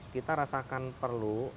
kita rasakan perlu